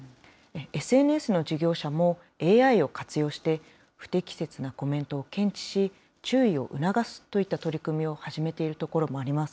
ＳＮＳの事業者も、ＡＩを活用して、不適切なコメントを検知し、注意を促すといった取り組みを始めているところもあります。